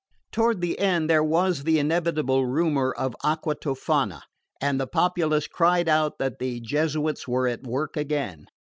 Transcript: Toward the end there was the inevitable rumour of acqua tofana, and the populace cried out that the Jesuits were at work again.